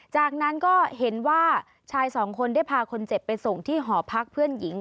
จากนั้นก็เห็นว่าชายสองคนได้พาคนเจ็บไปส่งที่หอพักเพื่อนหญิง